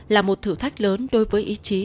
là một thử thách lớn đối với ý chí